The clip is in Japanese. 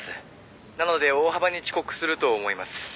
「なので大幅に遅刻すると思います」